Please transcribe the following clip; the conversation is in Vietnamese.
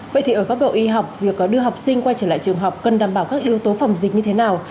vậy thì ở góc độ y học việc đưa học sinh quay trở lại trường học cần đảm bảo các yếu tố phòng dịch như thế nào